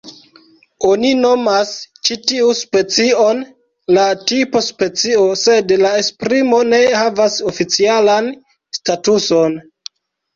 Oni nomas ĉi tiu specion la "tipo-specio" sed la esprimo ne havas oficialan statuson.